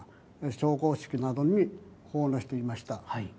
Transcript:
焼香式などに奉納していました。